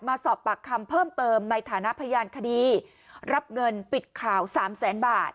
มาสอบปากคำเพิ่มเติมในฐานะพยานคดีรับเงินปิดข่าวสามแสนบาท